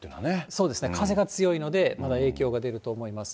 そうですね、風が強いので、まだ影響が出ると思います。